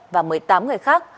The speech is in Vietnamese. và một mươi tám người khác